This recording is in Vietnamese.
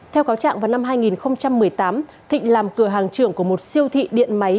theo cáo trạng vào năm hai nghìn một mươi tám thịnh làm cửa hàng trưởng của một siêu thị điện máy